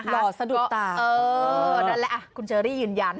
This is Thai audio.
หล่อสะดุดตาเออนั่นแหละคุณเชอรี่ยืนยัน